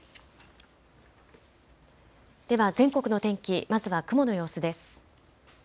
では全国の天気、まずは雲の様子です。